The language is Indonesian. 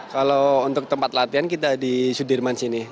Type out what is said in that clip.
kalau untuk tempat latihan kita di sudirman sini